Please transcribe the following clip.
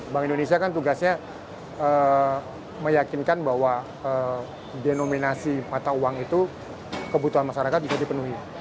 bank indonesia kan tugasnya meyakinkan bahwa denominasi mata uang itu kebutuhan masyarakat bisa dipenuhi